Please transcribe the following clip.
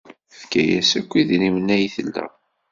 Tefka-as akk idrimen ay tla.